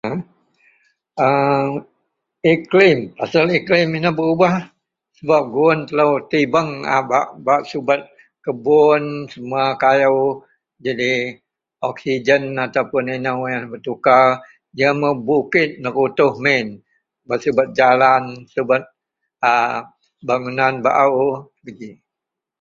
..aaa.. Iklim, asel iklim inou berubah sebab guwun telou tibeng a bak-bak subet kebun, semuwa kayou, jadi oksijen ataupun inou yen betukar jegem bukit nerutuh min bak subet jalan, subet a bangunan baou geji.